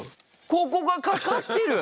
ここがかかってる！